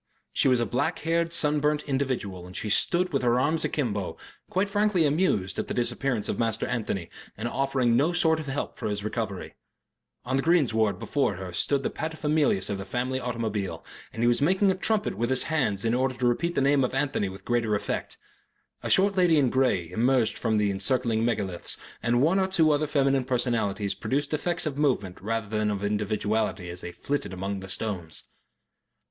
She was a black haired, sun burnt individual and she stood with her arms akimbo, quite frankly amused at the disappearance of Master Anthony, and offering no sort of help for his recovery. On the greensward before her stood the paterfamilias of the family automobile, and he was making a trumpet with his hands in order to repeat the name of Anthony with greater effect. A short lady in grey emerged from among the encircling megaliths, and one or two other feminine personalities produced effects of movement rather than of individuality as they flitted among the stones.